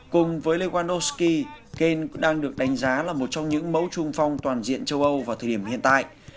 cùng với lewandowski kane đang được đánh giá là một trong những mẫu trung phong toàn diện châu âu vào thời điểm hiện tại